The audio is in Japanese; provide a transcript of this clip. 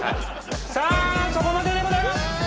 さあそこまででございます！